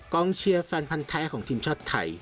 กองเชียร์แฟนพันธ์แท้ของทีมชาติไทย